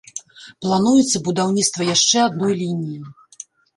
Плануецца будаўніцтва яшчэ адной лініі.